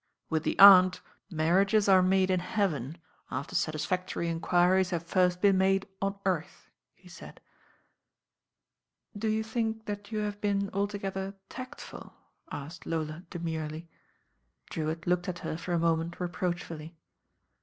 "With the Aunt mar riages are made in heaven, after satisfactory enquir ies have first been made on earth," he said. \ f08 THE RAIN GIRL ! "Do you think that you have been altogether tact ful?" asked Lola demurely. Drewitt looked at her for a moment reproach fuUy.